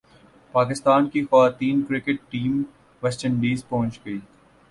پاکستان کی خواتین cricket team West Indies پہنچ گئی